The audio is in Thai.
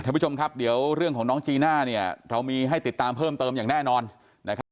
ท่านผู้ชมครับเดี๋ยวเรื่องของน้องจีน่าเนี่ยเรามีให้ติดตามเพิ่มเติมอย่างแน่นอนนะครับ